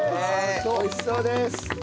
美味しそうです。